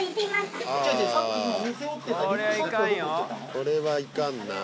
これはいかんよ。